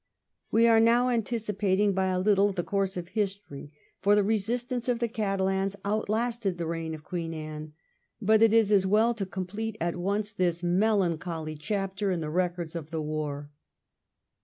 We are now anticipating by a little the course of history, for the resistance of the Catalans outlasted the reign of Queen Anne, but it is as well to complete at once this melancholy chapter in the records of the war.